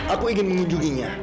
aku ingin mengunjunginya